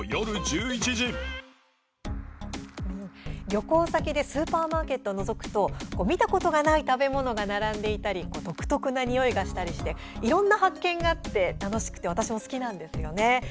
旅行先でスーパーマーケットをのぞくと見たことがない食べ物が並んでいたり独特なにおいがしたりしていろんな発見があって楽しくて私も好きなんですよね。